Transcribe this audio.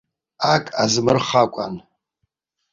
Ак азмырхакәан.